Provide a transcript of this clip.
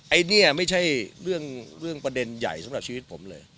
อันนี้ไม่ใช่เรื่องประเด็นใหญ่สำหรับชีวิตผมเลย